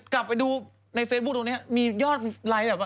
กลับไปดูในเฟซบุ๊คตรงนี้มียอดไลค์แบบว่า